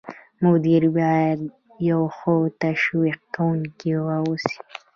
مدیر باید یو ښه تشویق کوونکی واوسي.